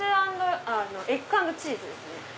エッグ＆チーズですね。